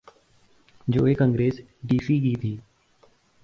جو ایک انگریز ڈی سی کی تھی۔